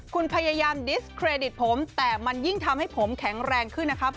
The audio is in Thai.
คุณพยายามดิสเครดิตผมแต่มันยิ่งทำให้ผมแข็งแรงขึ้นนะครับ